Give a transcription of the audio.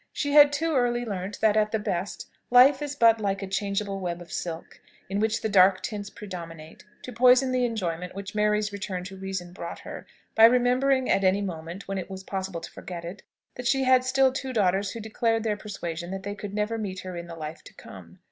She had too early learnt that, at the best, life is but like a changeable web of silk, in which the dark tints predominate, to poison the enjoyment which Mary's return to reason brought her, by remembering at any moment when it was possible to forget it, that she had still two daughters who declared their persuasion that they could never meet her in the life to come.